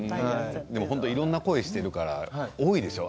いろいろな声をやられているから多いでしょう。